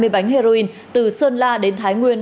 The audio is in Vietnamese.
hai mươi bánh heroin từ sơn la đến thái nguyên